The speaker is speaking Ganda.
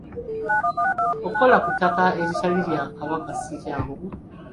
Okukola ku ttaka eritali lya Kabaka si kyangu.